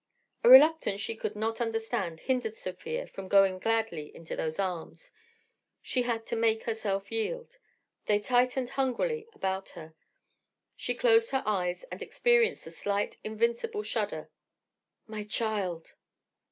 A reluctance she could not understand hindered Sofia from going gladly into those arms. She had to make herself yield. They tightened hungrily about her. She closed her eyes and experienced a slight, invincible shudder. "My child!"